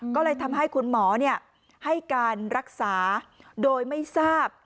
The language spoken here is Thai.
ก็เลยทำให้คุณหมอให้การรักษาโดยไม่ทราบ